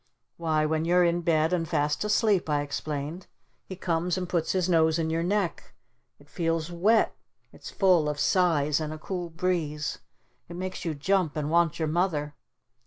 "Why when you're in bed and fast asleep," I explained, "he comes and puts his nose in your neck! It feels wet! It's full of sighs and a cool breeze! It makes you jump and want your Mother!